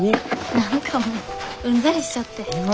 何かもううんざりしちゃって。